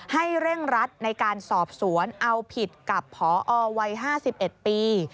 ให้เร่งรัดในการสอบสวนเอาผิดกับพอวัย๕๑ปี